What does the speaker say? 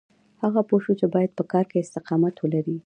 هغه پوه شو چې بايد په کار کې استقامت ولري.